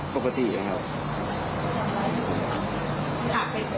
ก็ปกติอย่างนี้ครับ